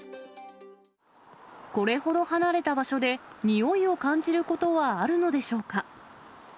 これほど離れた場所で、臭いを感じることはあるのでしょうか。